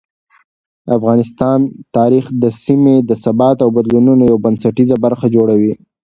د افغانستان تاریخ د سیمې د ثبات او بدلونونو یو بنسټیزه برخه جوړوي.